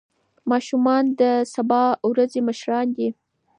ماشومان د سبا ورځې مشران دي.